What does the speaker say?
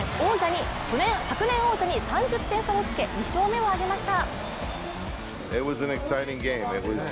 昨年王者に３０点差をつけ２勝目を挙げました。